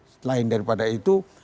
selain daripada itu